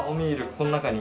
この中に。